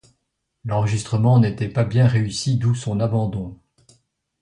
L’enregistrement n’était pas bien réussi d’où son abandon.